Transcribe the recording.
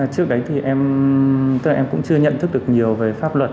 trước đấy thì em cũng chưa nhận thức được nhiều về pháp luật